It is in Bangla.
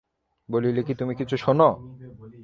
বলিলে কি তুমি কিছু শোন?